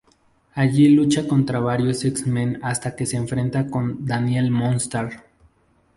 Allí lucha contra varios X-Men hasta que se enfrenta con Danielle Moonstar.